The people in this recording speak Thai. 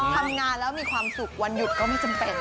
ทำงานแล้วมีความสุขวันหยุดก็ไม่จำเป็น